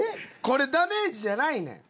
これダメージじゃないねん。